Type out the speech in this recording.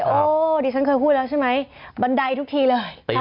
โอ้ดิฉันเคยพูดแล้วใช่ไหมบันไดทุกทีเลย